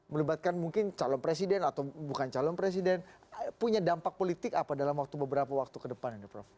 melibatkan mungkin calon presiden atau bukan calon presiden punya dampak politik apa dalam beberapa waktu ke depan ini prof